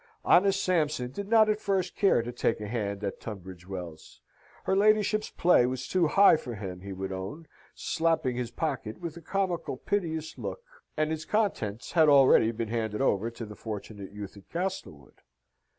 Honest Sampson did not at first care to take a hand at Tunbridge Wells. Her ladyship's play was too high for him, he would own, slapping his pocket with a comical piteous look, and its contents had already been handed over to the fortunate youth at Castlewood.